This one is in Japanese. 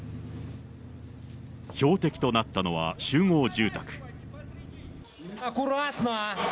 標的となったのは集合住宅。